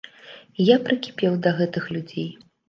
Я прыкіпеў да гэтых людзей.